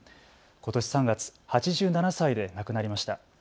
ことし３月、８７歳で亡くなりました。